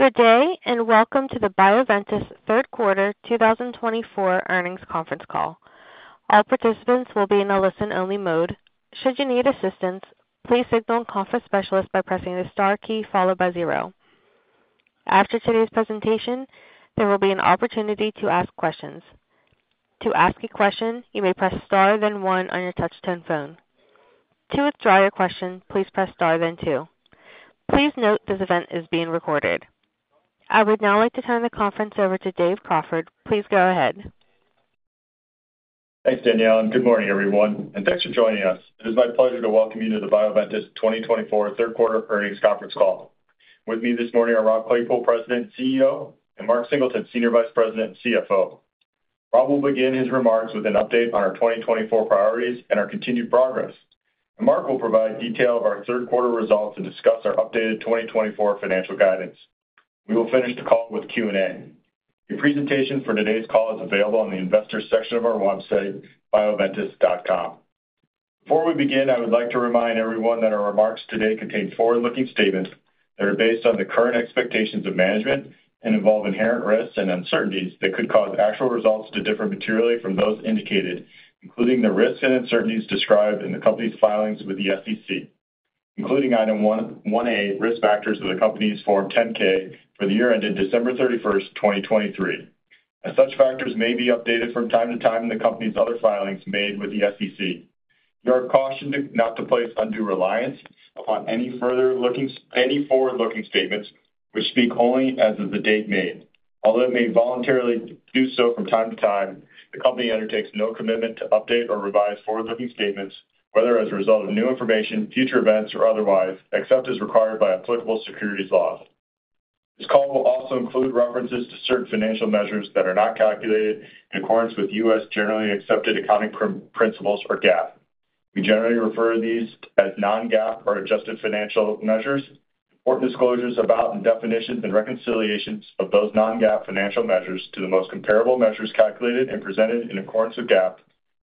Good day, and welcome to the Bioventus Third Quarter 2024 Earnings Conference Call. All participants will be in a listen-only mode. Should you need assistance, please signal conference specialist by pressing the star key followed by zero. After today's presentation, there will be an opportunity to ask questions. To ask a question, you may press star then one on your touch-tone phone. To withdraw your question, please press star then two. Please note this event is being recorded. I would now like to turn the conference over to Dave Crawford. Please go ahead. Thanks, Danielle. And good morning, everyone. And thanks for joining us. It is my pleasure to welcome you to the Bioventus 2024 third quarter earnings conference call. With me this morning are Rob Claypoole, President and CEO, and Mark Singleton, Senior Vice President and CFO. Rob will begin his remarks with an update on our 2024 priorities and our continued progress. And Mark will provide detail of our third quarter results and discuss our updated 2024 financial guidance. We will finish the call with Q&A. A presentation for today's call is available on the investor section of our website, bioventus.com. Before we begin, I would like to remind everyone that our remarks today contain forward-looking statements that are based on the current expectations of management and involve inherent risks and uncertainties that could cause actual results to differ materially from those indicated, including the risks and uncertainties described in the company's filings with the SEC, including Item 1A, risk factors of the company's Form 10-K for the year ended December 31st, 2023. As such factors may be updated from time to time in the company's other filings made with the SEC. You are cautioned not to place undue reliance upon any forward-looking statements which speak only as of the date made. Although it may voluntarily do so from time to time, the company undertakes no commitment to update or revise forward-looking statements, whether as a result of new information, future events, or otherwise, except as required by applicable securities laws. This call will also include references to certain financial measures that are not calculated in accordance with U.S. generally accepted accounting principles or GAAP. We generally refer to these as non-GAAP or adjusted financial measures. Important disclosures about and definitions and reconciliations of those non-GAAP financial measures to the most comparable measures calculated and presented in accordance with GAAP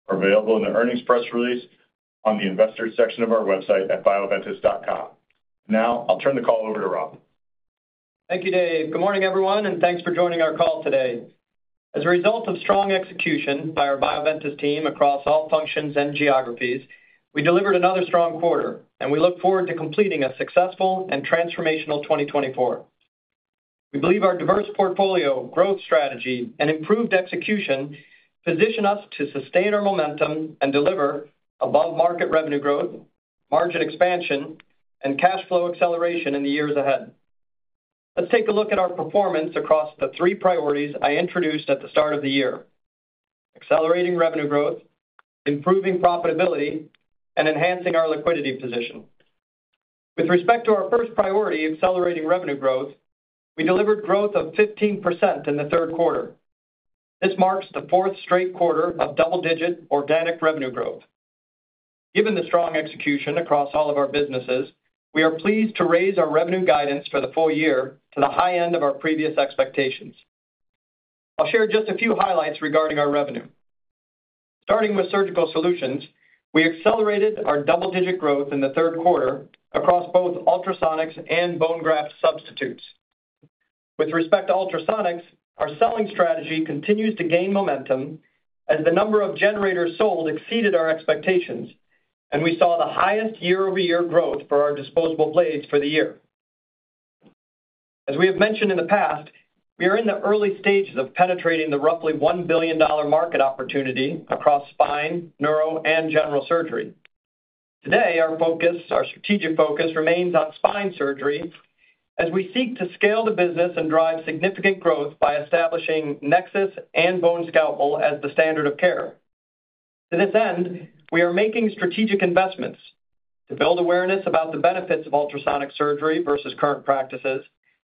are available in the earnings press release on the investor section of our website at bioventus.com. Now, I'll turn the call over to Rob. Thank you, Dave. Good morning, everyone, and thanks for joining our call today. As a result of strong execution by our Bioventus team across all functions and geographies, we delivered another strong quarter, and we look forward to completing a successful and transformational 2024. We believe our diverse portfolio, growth strategy, and improved execution position us to sustain our momentum and deliver above-market revenue growth, margin expansion, and cash flow acceleration in the years ahead. Let's take a look at our performance across the three priorities I introduced at the start of the year: accelerating revenue growth, improving profitability, and enhancing our liquidity position. With respect to our first priority, accelerating revenue growth, we delivered growth of 15% in the third quarter. This marks the fourth straight quarter of double-digit organic revenue growth. Given the strong execution across all of our businesses, we are pleased to raise our revenue guidance for the full year to the high end of our previous expectations. I'll share just a few highlights regarding our revenue. Starting with surgical solutions, we accelerated our double-digit growth in the third quarter across both ultrasonics and bone graft substitutes. With respect to ultrasonics, our selling strategy continues to gain momentum as the number of generators sold exceeded our expectations, and we saw the highest year-over-year growth for our disposable blades for the year. As we have mentioned in the past, we are in the early stages of penetrating the roughly $1 billion market opportunity across spine, neuro, and general surgery. Today, our strategic focus remains on spine surgery as we seek to scale the business and drive significant growth by establishing Nexus and BoneScalpel as the standard of care. To this end, we are making strategic investments to build awareness about the benefits of ultrasonic surgery versus current practices,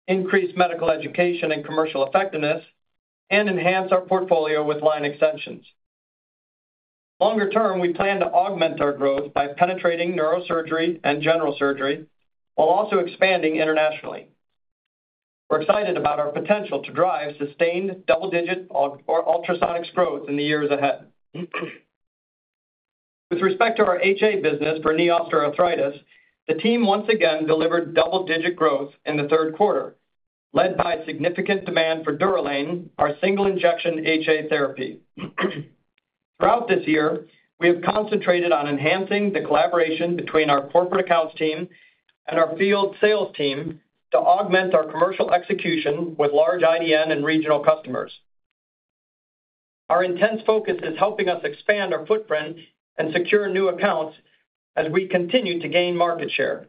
increase medical education and commercial effectiveness, and enhance our portfolio with line extensions. Longer term, we plan to augment our growth by penetrating neurosurgery and general surgery while also expanding internationally. We're excited about our potential to drive sustained double-digit ultrasonics growth in the years ahead. With respect to our HA business for knee osteoarthritis, the team once again delivered double-digit growth in the third quarter, led by significant demand for Durolane, our single-injection HA therapy. Throughout this year, we have concentrated on enhancing the collaboration between our corporate accounts team and our field sales team to augment our commercial execution with large IDN and regional customers. Our intense focus is helping us expand our footprint and secure new accounts as we continue to gain market share.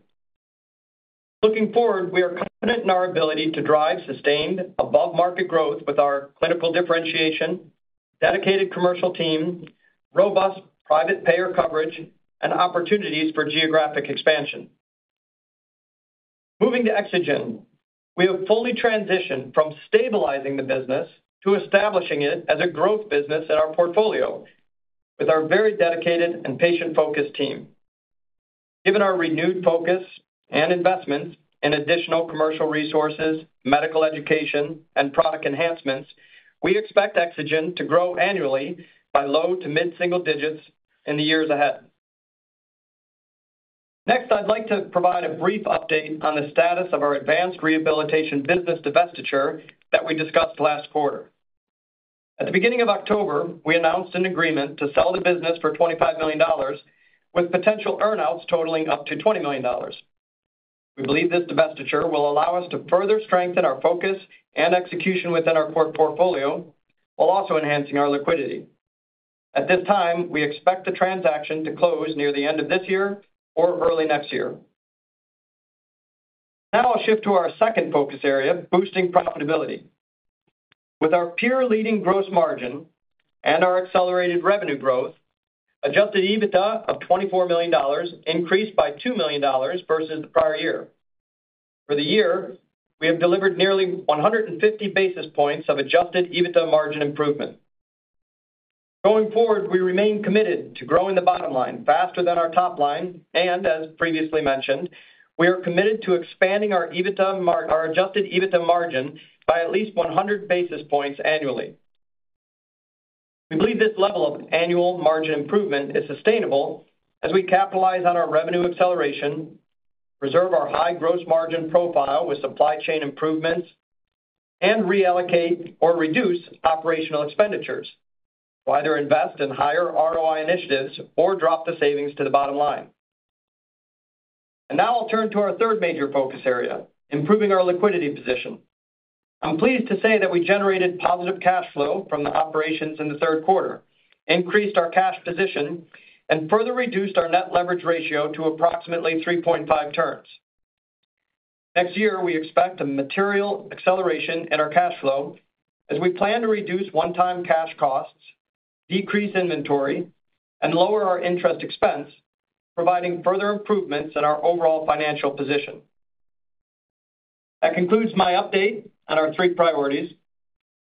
Looking forward, we are confident in our ability to drive sustained above-market growth with our clinical differentiation, dedicated commercial team, robust private payer coverage, and opportunities for geographic expansion. Moving to Exogen, we have fully transitioned from stabilizing the business to establishing it as a growth business in our portfolio with our very dedicated and patient-focused team. Given our renewed focus and investments in additional commercial resources, medical education, and product enhancements, we expect Exogen to grow annually by low to mid-single digits in the years ahead. Next, I'd like to provide a brief update on the status of our advanced rehabilitation business divestiture that we discussed last quarter. At the beginning of October, we announced an agreement to sell the business for $25 million with potential earnouts totaling up to $20 million. We believe this divestiture will allow us to further strengthen our focus and execution within our portfolio while also enhancing our liquidity. At this time, we expect the transaction to close near the end of this year or early next year. Now, I'll shift to our second focus area, boosting profitability. With our peer-leading gross margin and our accelerated revenue growth, Adjusted EBITDA of $24 million increased by $2 million versus the prior year. For the year, we have delivered nearly 150 basis points of Adjusted EBITDA margin improvement. Going forward, we remain committed to growing the bottom line faster than our top line. As previously mentioned, we are committed to expanding our Adjusted EBITDA margin by at least 100 basis points annually. We believe this level of annual margin improvement is sustainable as we capitalize on our revenue acceleration, preserve our high gross margin profile with supply chain improvements, and reallocate or reduce operational expenditures, either invest in higher ROI initiatives or drop the savings to the bottom line. And now, I'll turn to our third major focus area, improving our liquidity position. I'm pleased to say that we generated positive cash flow from the operations in the third quarter, increased our cash position, and further reduced our net leverage ratio to approximately 3.5 turns. Next year, we expect a material acceleration in our cash flow as we plan to reduce one-time cash costs, decrease inventory, and lower our interest expense, providing further improvements in our overall financial position. That concludes my update on our three priorities.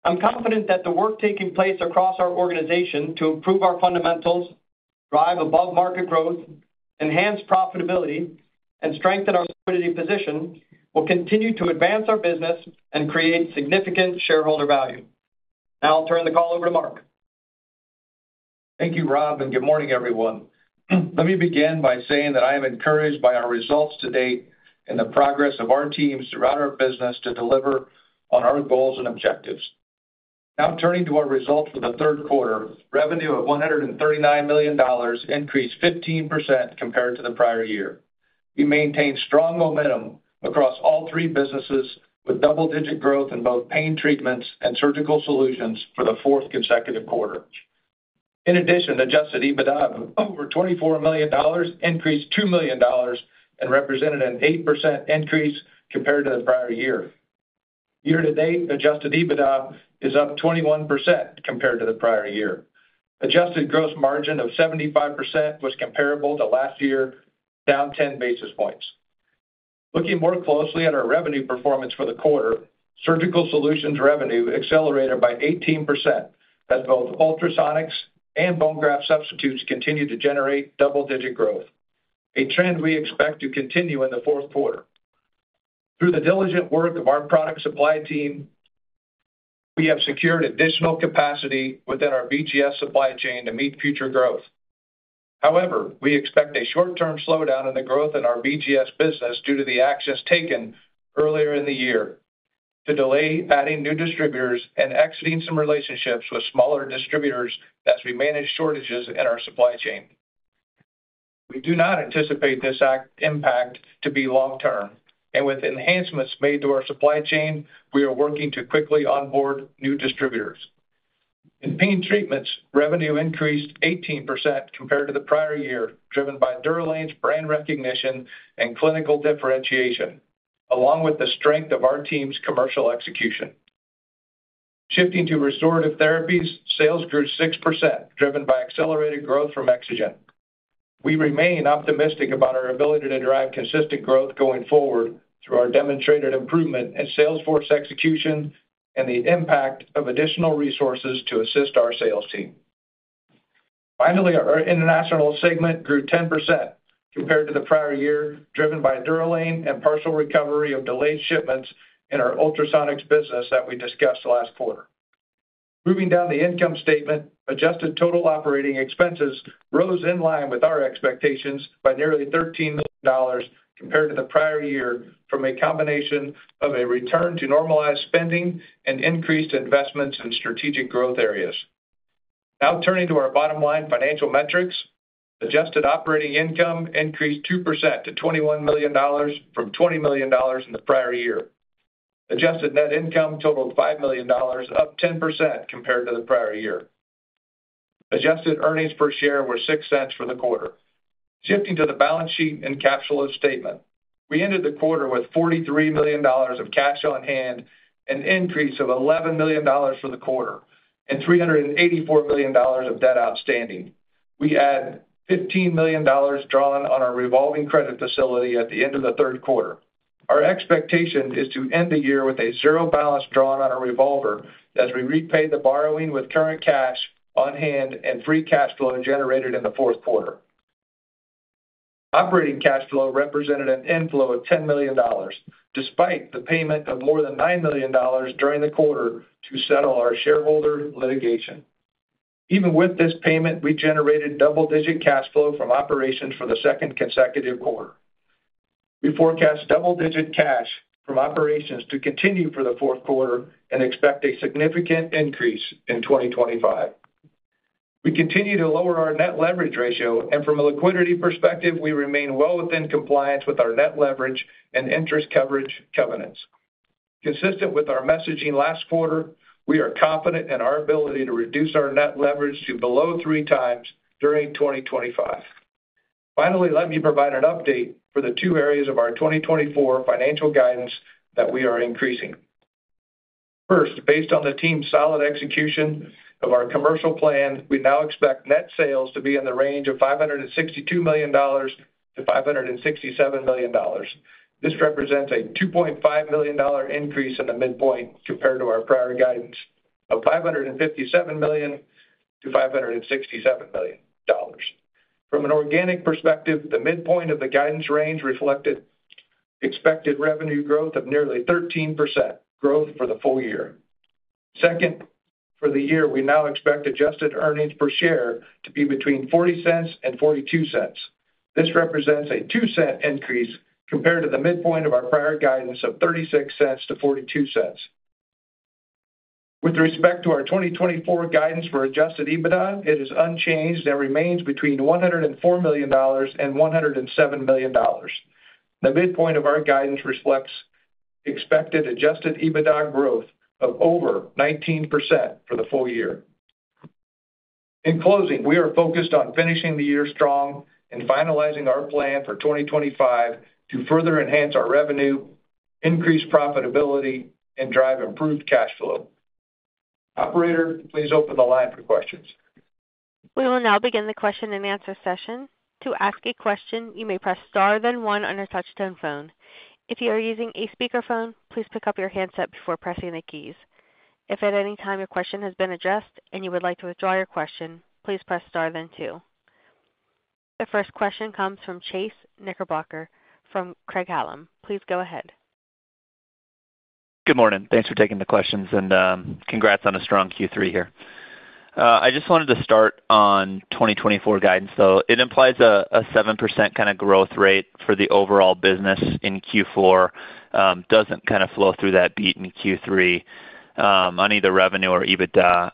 I'm confident that the work taking place across our organization to improve our fundamentals, drive above-market growth, enhance profitability, and strengthen our liquidity position will continue to advance our business and create significant shareholder value. Now, I'll turn the call over to Mark. Thank you, Rob, and good morning, everyone. Let me begin by saying that I am encouraged by our results to date and the progress of our teams throughout our business to deliver on our goals and objectives. Now, turning to our results for the third quarter, revenue of $139 million increased 15% compared to the prior year. We maintain strong momentum across all three businesses with double-digit growth in both pain treatments and surgical solutions for the fourth consecutive quarter. In addition, Adjusted EBITDA of over $24 million increased $2 million and represented an 8% increase compared to the prior year. Year-to-date, Adjusted EBITDA is up 21% compared to the prior year. Adjusted gross margin of 75% was comparable to last year, down 10 basis points. Looking more closely at our revenue performance for the quarter, Surgical Solutions revenue accelerated by 18% as both Ultrasonics and Bone Graft Substitutes continue to generate double-digit growth, a trend we expect to continue in the fourth quarter. Through the diligent work of our product supply team, we have secured additional capacity within our BGS supply chain to meet future growth. However, we expect a short-term slowdown in the growth in our BGS business due to the actions taken earlier in the year to delay adding new distributors and exiting some relationships with smaller distributors as we manage shortages in our supply chain. We do not anticipate this impact to be long-term, and with enhancements made to our supply chain, we are working to quickly onboard new distributors. In pain treatments, revenue increased 18% compared to the prior year, driven by Durolane's brand recognition and clinical differentiation, along with the strength of our team's commercial execution. Shifting to restorative therapies, sales grew 6%, driven by accelerated growth from Exogen. We remain optimistic about our ability to drive consistent growth going forward through our demonstrated improvement in sales force execution and the impact of additional resources to assist our sales team. Finally, our international segment grew 10% compared to the prior year, driven by Durolane and partial recovery of delayed shipments in our ultrasonics business that we discussed last quarter. Moving down the income statement, adjusted total operating expenses rose in line with our expectations by nearly $13 million compared to the prior year from a combination of a return to normalized spending and increased investments in strategic growth areas. Now, turning to our bottom-line financial metrics, adjusted operating income increased 2% to $21 million from $20 million in the prior year. Adjusted net income totaled $5 million, up 10% compared to the prior year. Adjusted earnings per share were $0.06 for the quarter. Shifting to the balance sheet and cash flow statement, we ended the quarter with $43 million of cash on hand, an increase of $11 million for the quarter, and $384 million of debt outstanding. We had $15 million drawn on our revolving credit facility at the end of the third quarter. Our expectation is to end the year with a zero balance drawn on our revolver as we repay the borrowing with current cash on hand and free cash flow generated in the fourth quarter. Operating cash flow represented an inflow of $10 million, despite the payment of more than $9 million during the quarter to settle our shareholder litigation. Even with this payment, we generated double-digit cash flow from operations for the second consecutive quarter. We forecast double-digit cash from operations to continue for the fourth quarter and expect a significant increase in 2025. We continue to lower our net leverage ratio, and from a liquidity perspective, we remain well within compliance with our net leverage and interest coverage covenants. Consistent with our messaging last quarter, we are confident in our ability to reduce our net leverage to below three times during 2025. Finally, let me provide an update for the two areas of our 2024 financial guidance that we are increasing. First, based on the team's solid execution of our commercial plan, we now expect net sales to be in the range of $562-$567 million. This represents a $2.5 million increase in the midpoint compared to our prior guidance of $557-$567 million. From an organic perspective, the midpoint of the guidance range reflected expected revenue growth of nearly 13% growth for the full year. Second, for the year, we now expect adjusted earnings per share to be between $0.40 and $0.42. This represents a $0.02 increase compared to the midpoint of our prior guidance of $0.36-$0.42. With respect to our 2024 guidance for adjusted EBITDA, it is unchanged and remains between $104-$107 million. The midpoint of our guidance reflects expected adjusted EBITDA growth of over 19% for the full year. In closing, we are focused on finishing the year strong and finalizing our plan for 2025 to further enhance our revenue, increase profitability, and drive improved cash flow. Operator, please open the line for questions. We will now begin the question and answer session. To ask a question, you may press star then one on your touch-tone phone. If you are using a speakerphone, please pick up your handset before pressing the keys. If at any time your question has been addressed and you would like to withdraw your question, please press star then two. The first question comes from Chase Knickerbocker from Craig-Hallum. Please go ahead. Good morning. Thanks for taking the questions and congrats on a strong Q3 here. I just wanted to start on 2024 guidance, though. It implies a 7% kind of growth rate for the overall business in Q4. It doesn't kind of flow through that beat in Q3 on either revenue or EBITDA.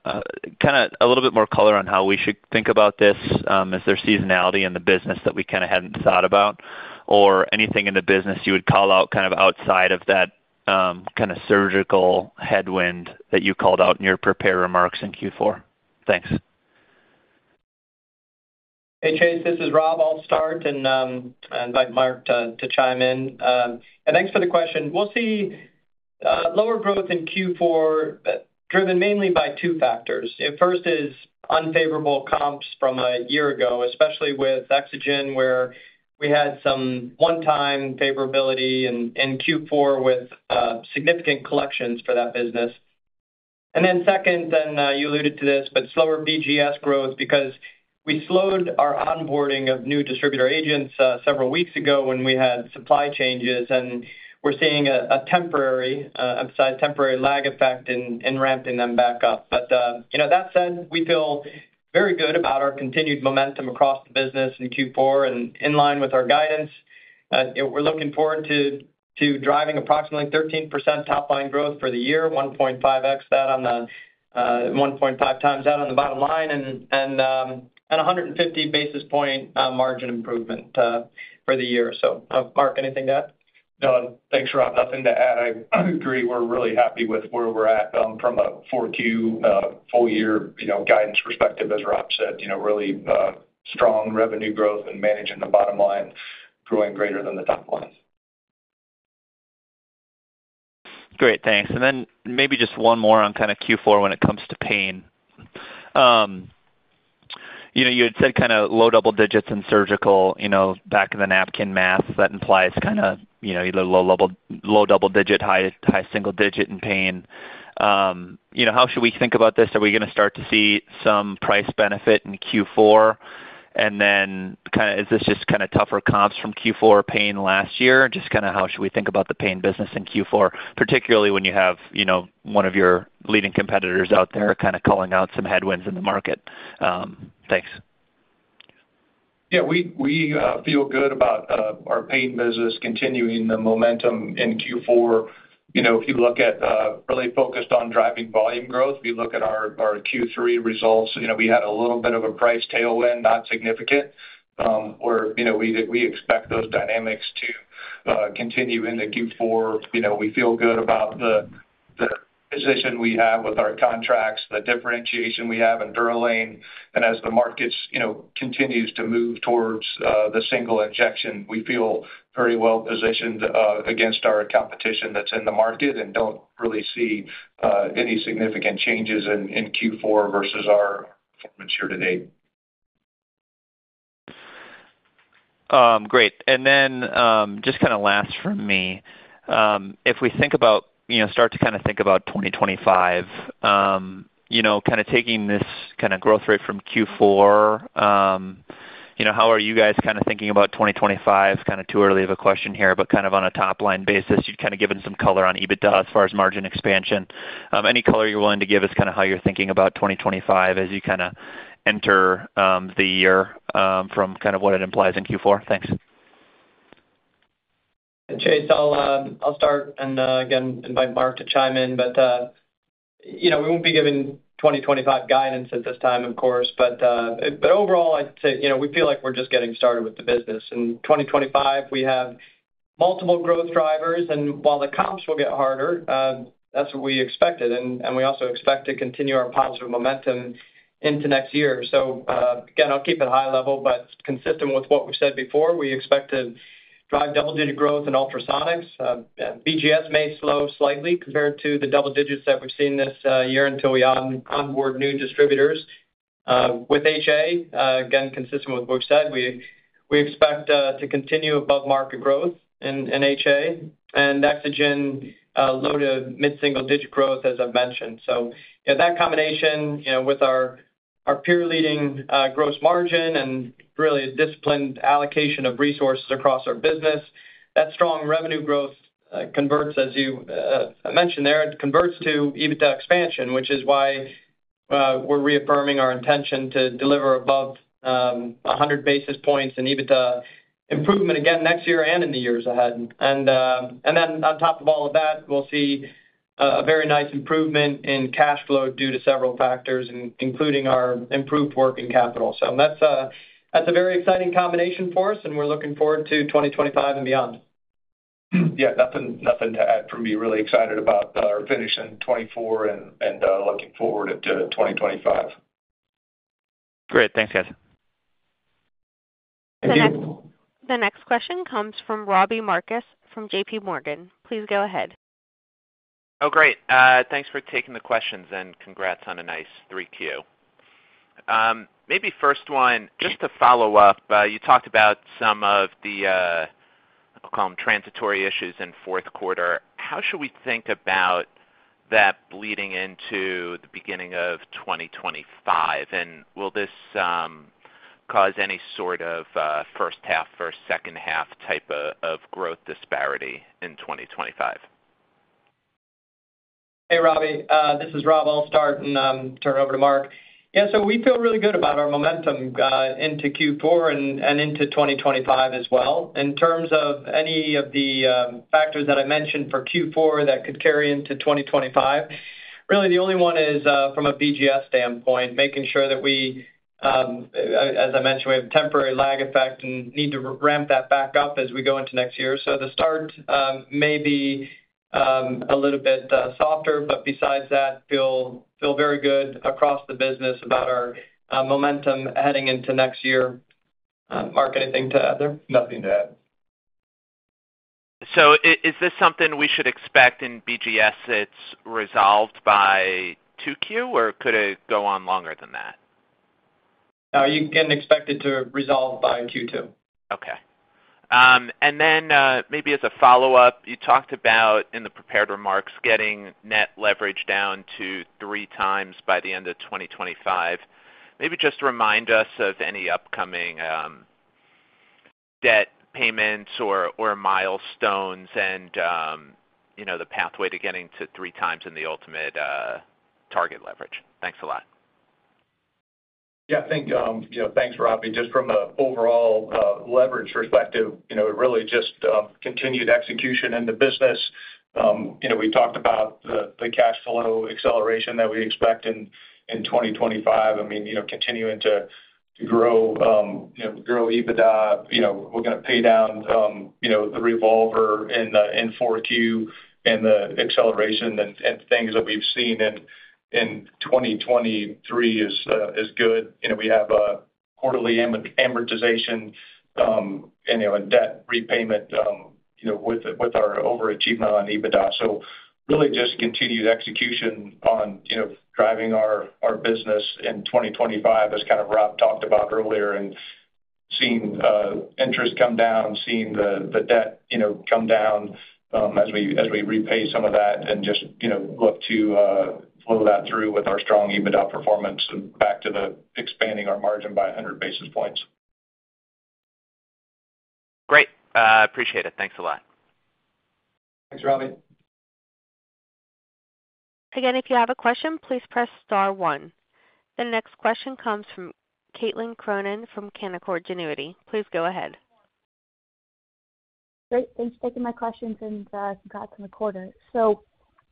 Kind of a little bit more color on how we should think about this as there's seasonality in the business that we kind of hadn't thought about or anything in the business you would call out kind of outside of that kind of surgical headwind that you called out in your prepared remarks in Q4. Thanks. Hey, Chase. This is Rob. I'll start and invite Mark to chime in, and thanks for the question. We'll see lower growth in Q4 driven mainly by two factors. First is unfavorable comps from a year ago, especially with Exogen, where we had some one-time favorability in Q4 with significant collections for that business, and then second, then you alluded to this, but slower BGS growth because we slowed our onboarding of new distributor agents several weeks ago when we had supply changes, and we're seeing a temporary lag effect in ramping them back up, but that said, we feel very good about our continued momentum across the business in Q4 and in line with our guidance. We're looking forward to driving approximately 13% top-line growth for the year, 1.5x that on the 1.5 times that on the bottom line, and 150 basis points margin improvement for the year. So, Mark, anything to add? No, thanks, Rob. Nothing to add. I agree. We're really happy with where we're at from a 4Q full-year guidance perspective, as Rob said, really strong revenue growth and managing the bottom line, growing greater than the top line. Great. Thanks. And then maybe just one more on kind of Q4 when it comes to pain. You had said kind of low double digits in surgical, back of the napkin math that implies kind of either low double digit, high single digit in pain. How should we think about this? Are we going to start to see some price benefit in Q4? And then kind of is this just kind of tougher comps from Q4 pain last year? Just kind of how should we think about the pain business in Q4, particularly when you have one of your leading competitors out there kind of calling out some headwinds in the market? Thanks. Yeah. We feel good about our pain business continuing the momentum in Q4. If you look at, really focused on driving volume growth, if you look at our Q3 results, we had a little bit of a price tailwind, not significant, where we expect those dynamics to continue into Q4. We feel good about the position we have with our contracts, the differentiation we have in Durolane, and as the market continues to move towards the single injection, we feel very well positioned against our competition that's in the market and don't really see any significant changes in Q4 versus our performance year to date. Great. And then just kind of last for me, if we think about start to kind of think about 2025, kind of taking this kind of growth rate from Q4, how are you guys kind of thinking about 2025? Kind of too early of a question here, but kind of on a top-line basis, you'd kind of given some color on EBITDA as far as margin expansion. Any color you're willing to give is kind of how you're thinking about 2025 as you kind of enter the year from kind of what it implies in Q4? Thanks. And Chase, I'll start and again invite Mark to chime in. But we won't be giving 2025 guidance at this time, of course. But overall, I'd say we feel like we're just getting started with the business. In 2025, we have multiple growth drivers. And while the comps will get harder, that's what we expected. And we also expect to continue our positive momentum into next year. So again, I'll keep it high level, but consistent with what we've said before, we expect to drive double-digit growth in ultrasonics. BGS may slow slightly compared to the double digits that we've seen this year until we onboard new distributors. With HA, again, consistent with what we've said, we expect to continue above-market growth in HA. And Exogen, low to mid-single digit growth, as I've mentioned. So that combination with our peer-leading gross margin and really a disciplined allocation of resources across our business, that strong revenue growth converts, as you mentioned there, it converts to EBITDA expansion, which is why we're reaffirming our intention to deliver above 100 basis points in EBITDA improvement again next year and in the years ahead. And then on top of all of that, we'll see a very nice improvement in cash flow due to several factors, including our improved working capital. So that's a very exciting combination for us, and we're looking forward to 2025 and beyond. Yeah. Nothing to add for me. Really excited about our finish in 2024 and looking forward to 2025. Great. Thanks, guys. The next question comes from Robbie Marcus from JPMorgan. Please go ahead. Oh, great. Thanks for taking the questions and congrats on a nice 3Q. Maybe first one, just to follow up, you talked about some of the, I'll call them, transitory issues in fourth quarter. How should we think about that bleeding into the beginning of 2025? And will this cause any sort of first-half or second-half type of growth disparity in 2025? Hey, Robbie. This is Rob. I'll start and turn it over to Mark. Yeah. So we feel really good about our momentum into Q4 and into 2025 as well. In terms of any of the factors that I mentioned for Q4 that could carry into 2025, really the only one is from a BGS standpoint, making sure that we, as I mentioned, we have a temporary lag effect and need to ramp that back up as we go into next year. So the start may be a little bit softer, but besides that, feel very good across the business about our momentum heading into next year. Mark, anything to add there? Nothing to add. Is this something we should expect in BGS that's resolved by 2Q, or could it go on longer than that? No. You can expect it to resolve by Q2. Okay. And then maybe as a follow-up, you talked about in the prepared remarks getting net leverage down to three times by the end of 2025. Maybe just remind us of any upcoming debt payments or milestones and the pathway to getting to three times in the ultimate target leverage? Thanks a lot. Yeah. Thanks, Robbie. Just from an overall leverage perspective, really just continued execution in the business. We talked about the cash flow acceleration that we expect in 2025. I mean, continuing to grow EBITDA. We're going to pay down the revolver in 4Q and the acceleration and things that we've seen in 2023 is good. We have a quarterly amortization and debt repayment with our overachievement on EBITDA. So really just continued execution on driving our business in 2025, as kind of Rob talked about earlier, and seeing interest come down, seeing the debt come down as we repay some of that, and just look to flow that through with our strong EBITDA performance and back to expanding our margin by 100 basis points. Great. Appreciate it. Thanks a lot. Thanks, Robbie. Again, if you have a question, please press star one. The next question comes from Caitlin Cronin from Canaccord Genuity. Please go ahead. Great. Thanks for taking my questions and congrats on the quarter. So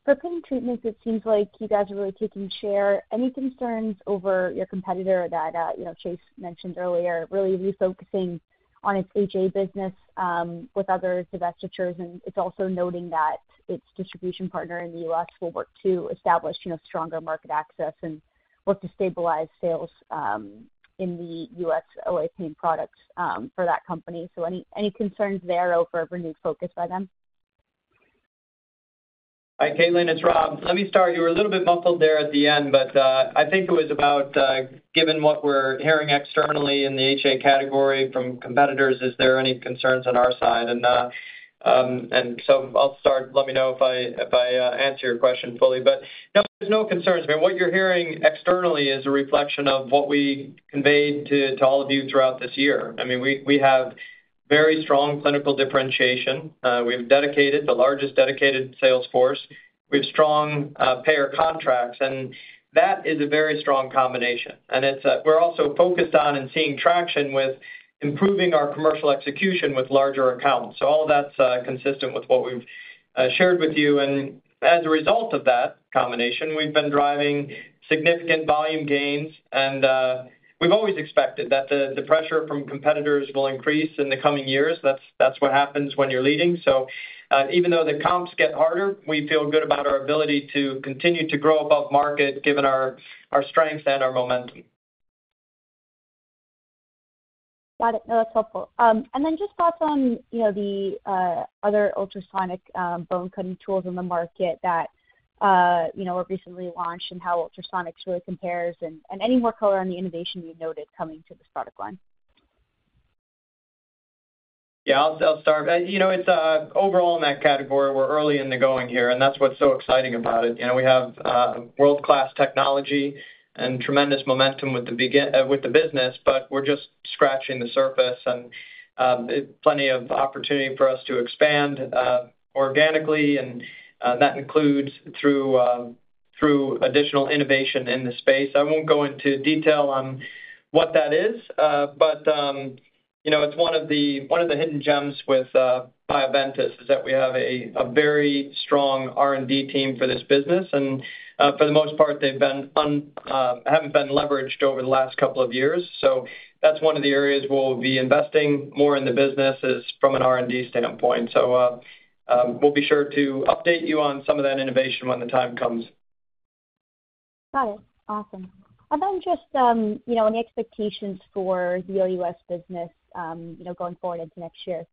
for pain treatments, it seems like you guys are really taking share. Any concerns over your competitor that Chase mentioned earlier, really refocusing on its HA business with other divestitures? And it's also noting that its distribution partner in the U.S. will work to establish stronger market access and work to stabilize sales in the U.S. OA pain products for that company. So any concerns there over a renewed focus by them? Hi, Caitlin. It's Rob. Let me start. You were a little bit muffled there at the end, but I think it was about, given what we're hearing externally in the HA category from competitors, is there any concerns on our side, and so I'll start. Let me know if I answer your question fully, but no, there's no concerns. I mean, what you're hearing externally is a reflection of what we conveyed to all of you throughout this year. I mean, we have very strong clinical differentiation. We have dedicated, the largest dedicated sales force. We have strong payer contracts, and that is a very strong combination, and we're also focused on and seeing traction with improving our commercial execution with larger accounts, so all of that's consistent with what we've shared with you, and as a result of that combination, we've been driving significant volume gains. We've always expected that the pressure from competitors will increase in the coming years. That's what happens when you're leading. Even though the comps get harder, we feel good about our ability to continue to grow above market, given our strength and our momentum. Got it. No, that's helpful. And then just thoughts on the other ultrasonic bone-cutting tools in the market that were recently launched and how ultrasonics really compares and any more color on the innovation you noted coming to this product line? Yeah. I'll start. It's overall in that category. We're early in the going here, and that's what's so exciting about it. We have world-class technology and tremendous momentum with the business, but we're just scratching the surface. And plenty of opportunity for us to expand organically, and that includes through additional innovation in the space. I won't go into detail on what that is, but it's one of the hidden gems with Bioventus is that we have a very strong R&D team for this business. And for the most part, they haven't been leveraged over the last couple of years. So that's one of the areas where we'll be investing more in the business is from an R&D standpoint. So we'll be sure to update you on some of that innovation when the time comes. Got it. Awesome. And then just any expectations for the U.S. business going forward into next year?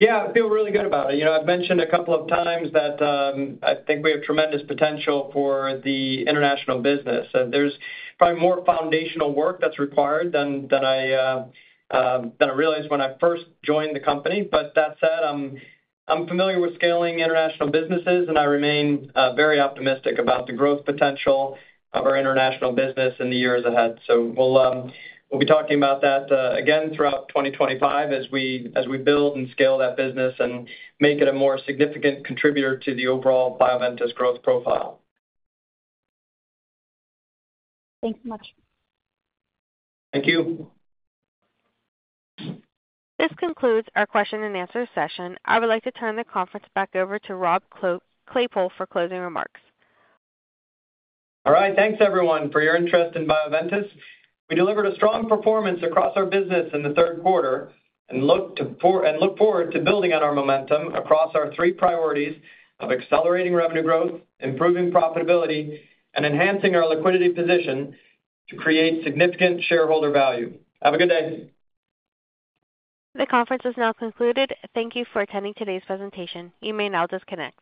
Yeah. I feel really good about it. I've mentioned a couple of times that I think we have tremendous potential for the international business. There's probably more foundational work that's required than I realized when I first joined the company. But that said, I'm familiar with scaling international businesses, and I remain very optimistic about the growth potential of our international business in the years ahead. So we'll be talking about that again throughout 2025 as we build and scale that business and make it a more significant contributor to the overall Bioventus growth profile. Thanks so much. Thank you. This concludes our question and answer session. I would like to turn the conference back over to Rob Claypoole for closing remarks. All right. Thanks, everyone, for your interest in Bioventus. We delivered a strong performance across our business in the third quarter and look forward to building on our momentum across our three priorities of accelerating revenue growth, improving profitability, and enhancing our liquidity position to create significant shareholder value. Have a good day. The conference is now concluded. Thank you for attending today's presentation. You may now disconnect.